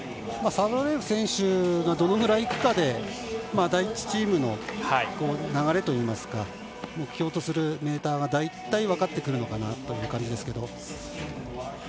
サドレーエフ選手がどのぐらいいくかで第１チームの流れといいますか目標とするメーターが大体分かってくるのかなという感じですけど。